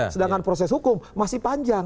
sedangkan proses hukum masih panjang